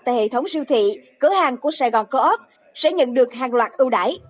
tại hệ thống siêu thị cửa hàng của sài gòn co op sẽ nhận được hàng loạt ưu đải